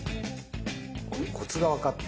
コツが分かった。